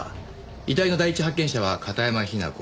遺体の第一発見者は片山雛子。